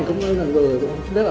nhưng mà nó là gì